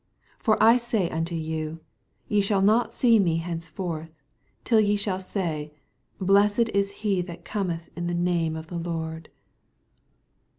89 For I say unto you, Te shall not see me henceforth, till ye shall say, Blessed w he that oometn in thv name of the Lord.